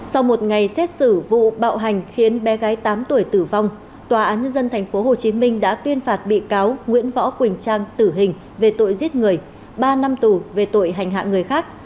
sau một ngày xét xử vụ bạo hành khiến bé gái tám tuổi tử vong tòa án nhân dân tp hcm đã tuyên phạt bị cáo nguyễn võ quỳnh trang tử hình về tội giết người ba năm tù về tội hành hạ người khác